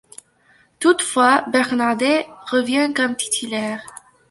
Toutefois, Bernardet revient comme titulaire.